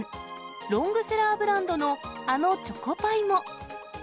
ロングセラーブランドの、あのチョコパイも。